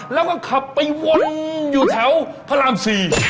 แล้วก็ขับไปวนอยู่แถวพระราม๔